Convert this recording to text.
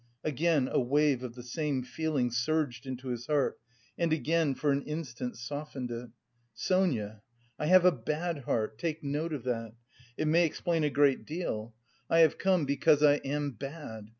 Again a wave of the same feeling surged into his heart, and again for an instant softened it. "Sonia, I have a bad heart, take note of that. It may explain a great deal. I have come because I am bad.